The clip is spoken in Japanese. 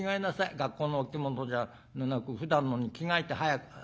学校のお着物じゃなくふだんのに着替えて早く。